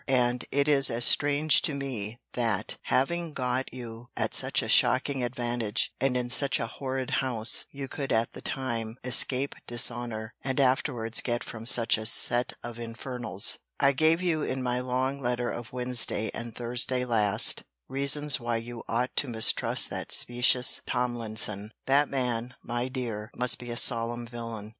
And it is as strange to me, that, having got you at such a shocking advantage, and in such a horrid house, you could, at the time, escape dishonour, and afterwards get from such a set of infernals. * See Vol. V. Letter XX. Ibid. See Letter XXI. I gave you, in my long letter of Wednesday and Thursday last, reasons why you ought to mistrust that specious Tomlinson. That man, my dear, must be a solemn villain.